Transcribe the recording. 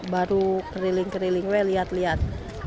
baru keriling keriling lihat lihat